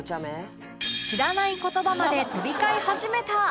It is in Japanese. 知らない言葉まで飛び交い始めた！